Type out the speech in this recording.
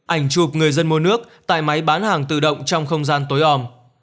ảnh chụp người dân mua nước tại máy bán hàng tự động trong không gian tối ôm